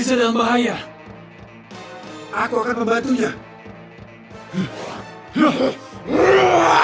ayo bawa dia ke tempat jalan